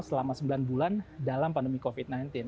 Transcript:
selama sembilan bulan dalam pandemi covid sembilan belas